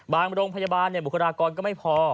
โรงพยาบาลบุคลากรก็ไม่พอ